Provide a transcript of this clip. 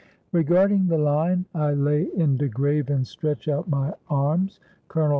Regarding the line, "I lay in de grave an' stretch out my arms," Col.